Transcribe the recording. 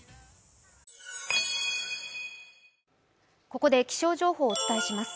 ここで気象情報をお伝えします。